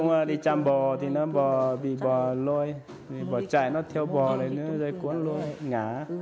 vì bò chạy nó theo bò lấy dây cuốn luôn ngã